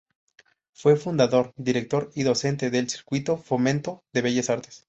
Fue fundador, director y docente del Círculo Fomento de Bellas Artes.